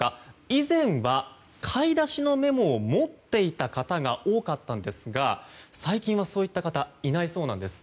以前は、買い出しのメモを持っていた方が多かったんですが最近はそういった方がいないそうなんです。